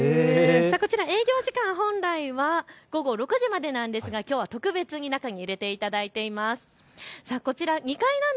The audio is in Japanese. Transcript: こちらは営業時間、本来は午後６時までなんですが、きょうは特別に中に入れていただいています。